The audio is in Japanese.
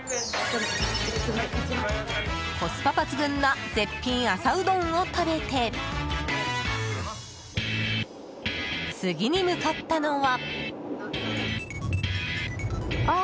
コスパ抜群な絶品朝うどんを食べて次に向かったのは。